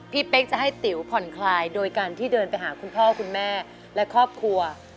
เป๊กจะให้ติ๋วผ่อนคลายโดยการที่เดินไปหาคุณพ่อคุณแม่และครอบครัว